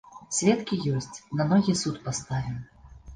Сведкі ёсць, на ногі суд паставім!